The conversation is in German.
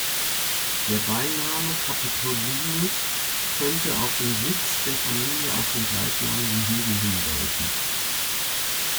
Der Beiname "Capitolinus" könnte auf den Sitz der Familie auf dem gleichnamigen Hügel hindeuten.